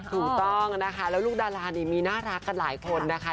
ถูกต้องนะคะแล้วลูกดารานี่มีน่ารักกันหลายคนนะคะ